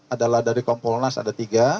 adalah dari kompolnas ada tiga